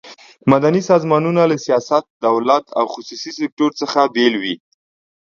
مدني سازمانونه له سیاست، دولت او خصوصي سکټور څخه بیل وي.